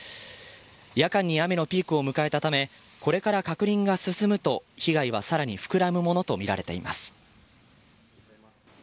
夜間に雨のピークを迎えたためこれから確認が進むと被害はさらに膨らむものとみられています。